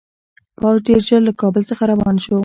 پوځ ډېر ژر له کابل څخه روان شو.